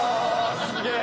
すげえ！